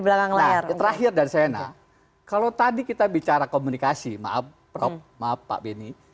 belakang layar terakhir dan sena kalau tadi kita bicara komunikasi maaf maaf pak benny